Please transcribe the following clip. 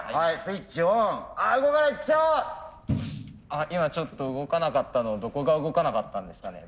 あ今ちょっと動かなかったのどこが動かなかったんですかね。